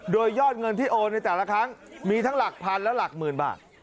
โดยยอดเงินที่โอนในแต่ละครั้งมีทั้งหลักพันและหลักหมื่นบาท